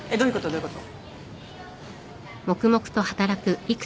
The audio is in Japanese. どういうこと？